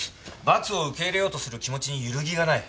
罰を受け入れようとする気持ちに揺るぎがない。